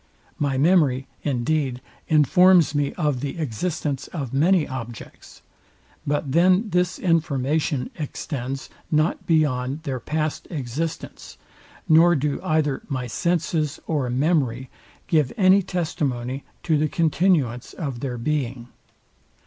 My memory, indeed, informs me of the existence of many objects; but then this information extends not beyond their past existence, nor do either my senses or memory give any testimony to the continuance of their being.